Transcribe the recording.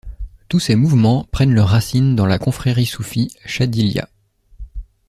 Tous ces mouvements prennent leurs racines dans la confrérie soufie Chadhiliyya.